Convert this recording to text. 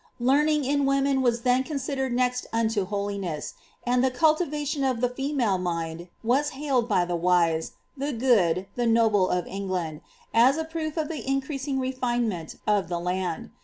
Learning in women was then considered next unto holiness ; and the cultivation of the female mind was hailed by the wise, the good, the noble of England, as a proof of the increasing refinement of the land.